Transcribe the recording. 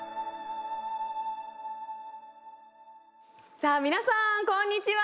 さあ皆さんこんにちは。